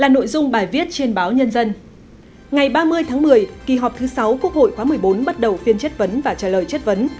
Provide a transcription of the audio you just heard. ngày ba mươi tháng một mươi kỳ họp thứ sáu quốc hội khóa một mươi bốn bắt đầu phiên chất vấn và trả lời chất vấn